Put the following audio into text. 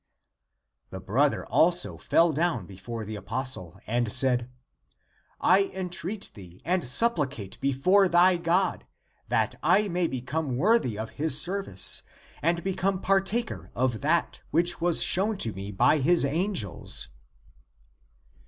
His brother also fell down before the apostle, and said, " I entreat thee ACTS OF THOMAS 245 and supplicate before thy God, that I may become worthy of his service and become partaker of that which was shown to me by his angels."